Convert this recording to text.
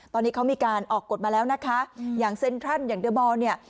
ตอนนี้เขามีการออกกฎมาแล้วนะคะอย่างเซ็นทรัลอย่างเดอร์บอลเนี่ย